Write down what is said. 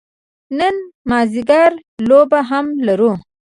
نن مازدیګر لوبه هم لرو.